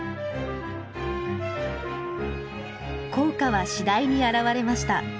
効果は次第に現れました。